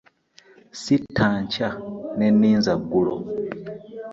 Ssitta nkya ne ninza ggulo .